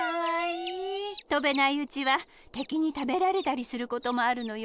とべないうちはてきにたべられたりすることもあるのよ。